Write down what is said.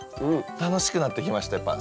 楽しくなってきましたやっぱ。